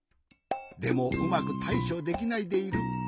でもうまくたいしょできないでいる。